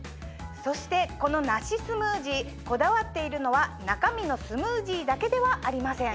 そしてこの梨スムージーこだわっているのは中身のスムージーだけではありません。